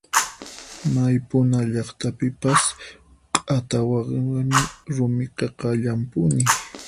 May puna llaqtapipas q'atawi rumiqa kallanpuni.